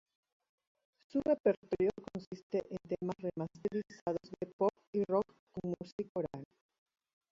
Su repertorio consiste en temas remasterizados de pop y rock con música oral.